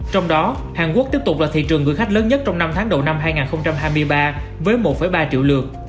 trong đó hàn quốc tiếp tục là thị trường gửi khách lớn nhất trong năm tháng đầu năm hai nghìn hai mươi ba với một ba triệu lượt